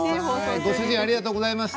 ご主人、ありがとうございました。